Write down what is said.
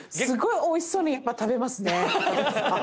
すごいおいしそうに食べますね。